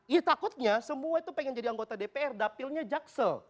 ya takutnya semua itu pengen jadi anggota dpr dapilnya jaksel